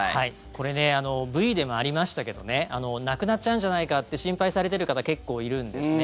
これ、Ｖでもありましたけどなくなっちゃうんじゃないかって心配されている方結構いるんですね。